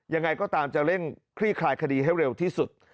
ยังไงก็ตามจะเร่งคลี่คลายคดีให้เร็วที่สุด